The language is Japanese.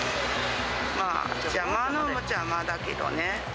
まあ、邪魔なのは邪魔だけどね。